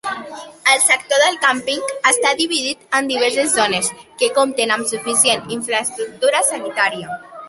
El sector del càmping està dividit en diverses zones que compten amb suficient infraestructura sanitària.